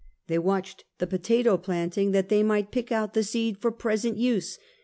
They watched the potato planting, that they might pick out the seed for present use.